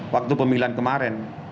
waktu pemilihan kemarin